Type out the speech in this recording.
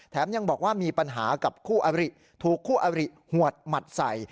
ยังบอกว่ามีปัญหากับคู่อบริถูกคู่อริหวดหมัดใส่